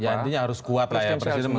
ya artinya harus kuat lah ya presidensialisme